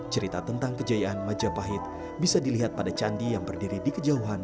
terima kasih pak